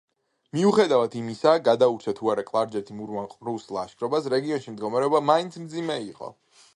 მიუხედავად იმისა, გადაურჩა თუ არა კლარჯეთი მურვან ყრუს ლაშქრობას, რეგიონში მდგომარეობა მაინც მძიმე იყო.